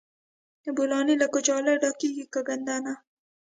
بولاني له کچالو ډکیږي که ګندنه؟